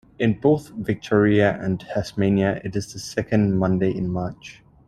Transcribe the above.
In both Victoria and Tasmania, it is the second Monday in March.